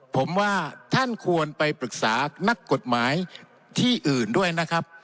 ผมว่าท่านควรไปปรึกษานักกฎหมายที่อื่นด้วยนะครับ